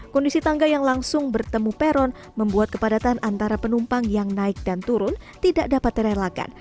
kondisi tangga yang langsung bertemu peron membuat kepadatan antara penumpang yang naik dan turun tidak dapat direlakan